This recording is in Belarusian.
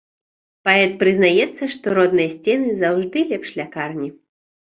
Паэт прызнаецца, што родныя сцены заўжды лепш лякарні.